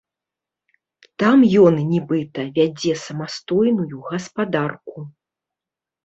Там ён, нібыта, вядзе самастойную гаспадарку.